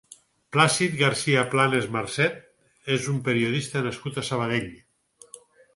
Plàcid Garcia-Planas Marcet és un periodista nascut a Sabadell.